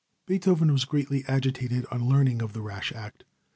Beethoven was greatly agitated on learning of the rash act.